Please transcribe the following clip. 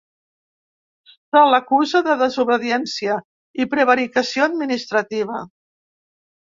Se l’acusa de desobediència i prevaricació administrativa.